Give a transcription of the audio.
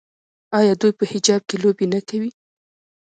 آیا دوی په حجاب کې لوبې نه کوي؟